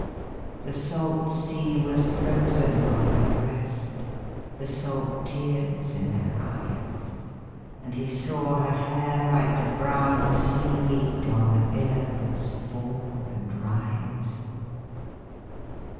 The salt sea was frozen on her breast, The salt tears in her eyes; And he saw her hair like the brown sea weed On the billows fall and rise.